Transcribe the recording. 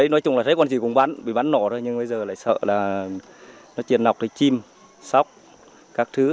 nói chung là thấy con gì cũng bắn bị bắn nổ thôi nhưng bây giờ lại sợ là nó chuyển nọc thêm chim sóc các thứ